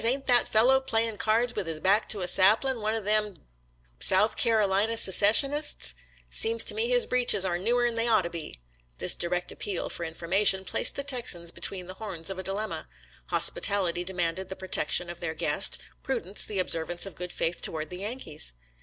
ain't that fellow' playing cards, with his back to a sap ling, one of them d d South Carolina se REMINISCENCES OF CHICKAMAUGA 147 cessionists? Seems to me his breeches are newer'n they ought to be." This direct appeal for in formation placed the Texans between the horns of a dilemma; hospitality demanded the protec tion of their guest — prudence, the observance of good faith toward the Yankees.